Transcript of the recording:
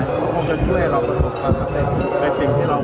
มันคงจะช่วยให้เราประสบความกำลังเต็ม